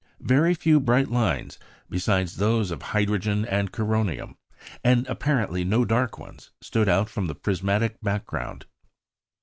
Very few bright lines besides those of hydrogen and coronium, and apparently no dark ones, stood out from the prismatic background.